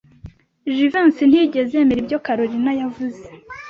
Jivency ntiyigeze yemera ibyo Kalorina yavuze.